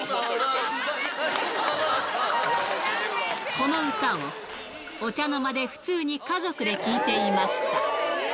この歌を、お茶の間で普通に家族で聴いていました。